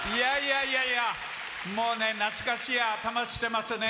いやいや、もうね懐かしい頭してますね。